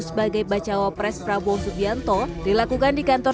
sebagai bacawo pres prabowo supianto dilakukan di kantor